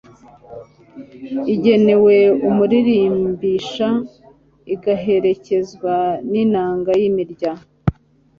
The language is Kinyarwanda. igenewe umuririmbisha, igaherekezwa n'inanga y'imirya